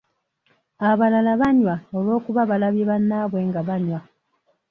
Abalala banywa olw’okuba balabye bannaabwe nga banywa.